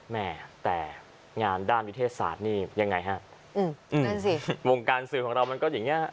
แม่แต่งานด้านวิทยาศาสตร์นี่ยังไงฮะมงการสื่อของเรามันก็อย่างนี้